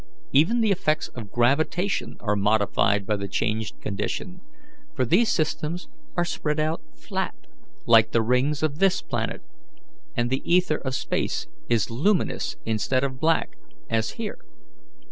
Even the effects of gravitation are modified by the changed condition; for these systems are spread out flat, like the rings of this planet, and the ether of space is luminous instead of black, as here.